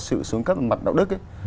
sự xuống cấp mặt đạo đức ấy